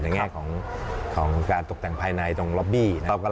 ในแง่ของการตกแต่งภายในตรงล็อบบี้